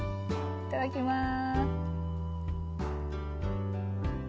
いただきます。